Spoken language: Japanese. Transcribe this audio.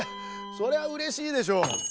そりゃうれしいでしょ。